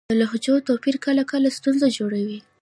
د لهجو توپیر کله کله ستونزه جوړوي.